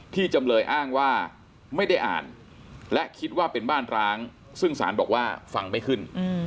จำเลยอ้างว่าไม่ได้อ่านและคิดว่าเป็นบ้านร้างซึ่งสารบอกว่าฟังไม่ขึ้น